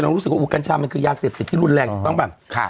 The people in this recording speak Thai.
เรารู้สึกว่ากัญชามันคือยากเสพแต่ที่รุนแรงต้องแบบค่ะ